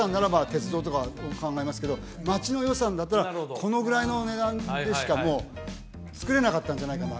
鉄道とかを考えますけど町の予算だったらこのぐらいの値段でしかもうつくれなかったんじゃないかな